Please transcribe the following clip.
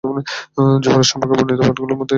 যুহরা সম্পর্কে বর্ণিত পাঠগুলোর মধ্যে এটিই সর্বোত্তম।